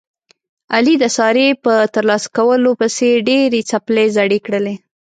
علي د سارې په ترلاسه کولو پسې ډېرې څپلۍ زړې کړلې.